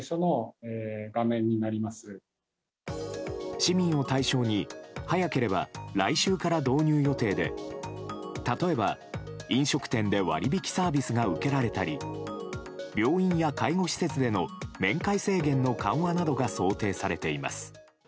市民を対象に早ければ来週から導入予定で例えば、飲食店で割引サービスが受けられたり病院や介護施設への面会制限の緩和などが想定されています。